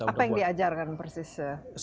apa yang diajarkan persis